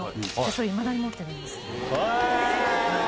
それをいまだに持っているんです。